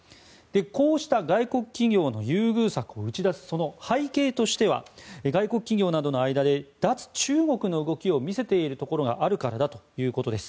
こうした外国企業の優遇策を打ち出す背景としては外国企業などの間で脱中国の動きを見せているところがあるからだということです。